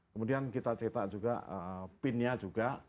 kemudian kita cetak juga pin nya juga